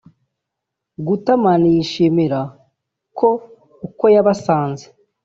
Gutterman yishimira ko uko yabasanze